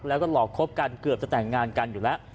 แล้วก็หลอกคบกันเกือบจะแต่งงานกันอยู่แล้ว